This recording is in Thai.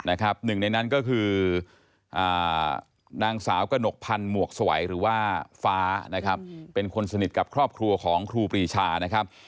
หนึ่งในนั้นก็คือนางสาวกระหนกพันธ์หมวกสวัยหรือว่าฟ้านะครับเป็นคนสนิทกับครอบครัวของครูปรีชานะครับ